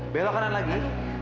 belok kanan lagi